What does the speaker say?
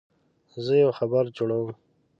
زه یو خبر جوړوم.